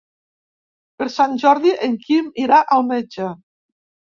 Per Sant Jordi en Quim irà al metge.